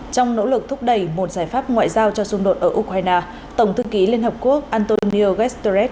trong nỗ lực thúc đẩy một giải pháp ngoại giao cho xung đột ở ukraine tổng thư ký liên hợp quốc antonio guterres